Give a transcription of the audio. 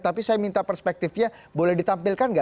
tapi saya minta perspektifnya boleh ditampilkan nggak